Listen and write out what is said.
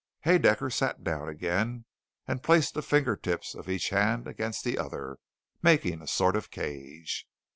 Haedaecker sat down again and placed the fingertips of each hand against the other, making a sort of cage.